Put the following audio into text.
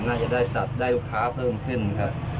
น่าจะได้ลูกค้าเพิ่มขึ้นครับ